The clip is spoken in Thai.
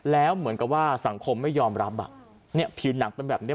แล้วเหมือนกับว่าสังคมไม่ยอมรับอ่ะเนี่ยผิวหนังเป็นแบบนี้